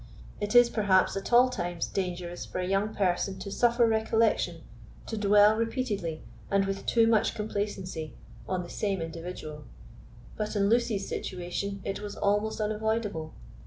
It is, perhaps, at all times dangerous for a young person to suffer recollection to dwell repeatedly, and with too much complacency, on the same individual; but in Lucy's situation it was almost unavoidable.